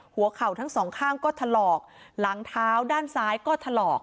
หัวเข่าทั้งสองข้างก็ถลอกหลังเท้าด้านซ้ายก็ถลอก